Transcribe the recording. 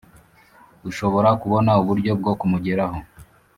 Ushobora kubona uburyo bwo kumugeraho